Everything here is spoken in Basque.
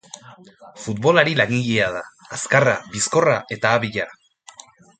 Futbolari langilea da, azkarra, bizkorra eta abila.